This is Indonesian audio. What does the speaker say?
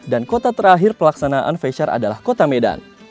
dan kota terakhir pelaksanaan fesyar adalah kota medan